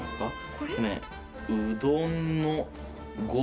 これ。